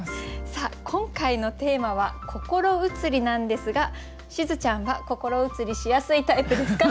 さあ今回のテーマは「心移り」なんですがしずちゃんは心移りしやすいタイプですか？